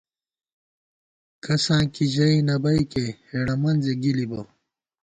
کساں کی ژَئی نہ بئیکے، ہېڑہ منزے گِلِبہ